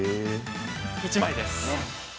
１枚です。